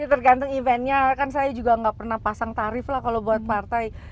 tergantung eventnya kan saya juga nggak pernah pasang tarif lah kalau buat partai